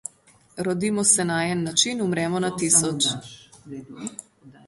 Rodimo se na en način, umremo na tisoč.